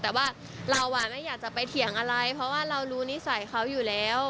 แต่ว่าเราไม่อยากจะไปเถียงอะไรเพราะว่าเรารู้นิสัยเขาอยู่แล้ว